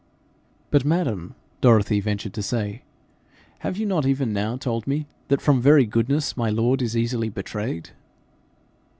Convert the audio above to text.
'But, madam,' Dorothy ventured to say, 'have you not even now told me that from very goodness my lord is easily betrayed?'